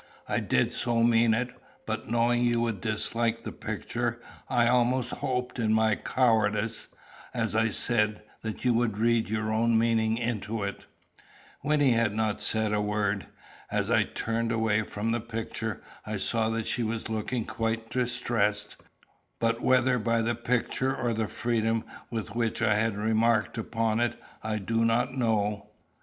I did so mean it; but knowing you would dislike the picture, I almost hoped in my cowardice, as I said, that you would read your own meaning into it." Wynnie had not said a word. As I turned away from the picture, I saw that she was looking quite distressed, but whether by the picture or the freedom with which I had remarked upon it, I do not know.